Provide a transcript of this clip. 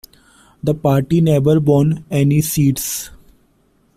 The party never won any seats.